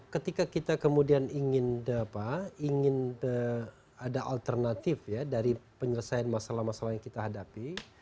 ketika kita kemudian ingin ada alternatif ya dari penyelesaian masalah masalah yang kita hadapi